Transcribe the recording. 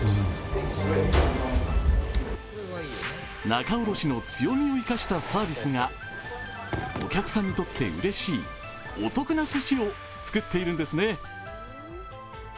仲卸の強みを生かしたサービスがお客さんにとってうれしいお得なすしを作っているんですね。